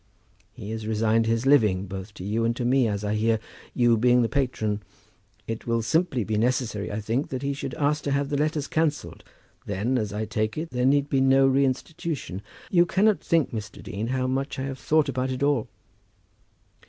He has resigned his living, both to you and to me, as I hear, you being the patron. It will simply be necessary, I think, that he should ask to have the letters cancelled. Then, as I take it, there need be no reinstitution. You cannot think, Mr. Dean, how much I have thought about it all."